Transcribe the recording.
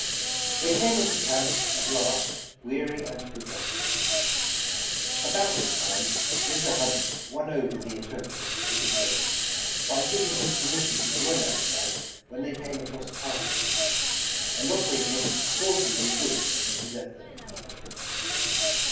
They came into camp at last, weary and bedraggled. About this time Mr. Hunt won over the interpreter to the Crows, by giving him permission to join that tribe when they came across a party of them, and offering him hoi*ses and goods when he left them.